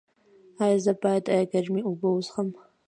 ایا زه باید ګرمې اوبه وڅښم؟